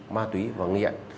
ma túy và nghiện